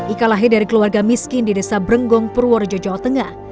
ika lahir dari keluarga miskin di desa brenggong purworejo jawa tengah